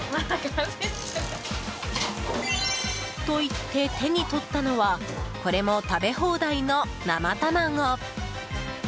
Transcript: と言って、手にとったのはこれも食べ放題の生卵。